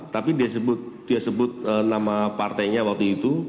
tapi dia sebut nama partainya waktu itu